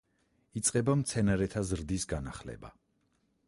იწყება მცენარეთა ზრდის განახლება.